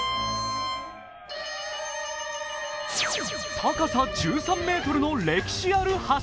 高さ１３ｍの歴史のある橋。